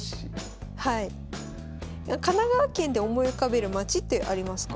神奈川県で思い浮かべる街ってありますか？